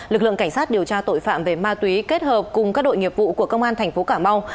lực lượng cảnh sát điều tra tội phạm về ma túy kết hợp cùng các đội nghiệp vụ của công an thành phố cà mau